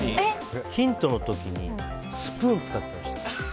ヒントの時にスプーン使ってました。